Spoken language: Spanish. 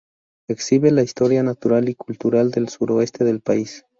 Exhibe la historia natural y cultural del suroeste de ese país.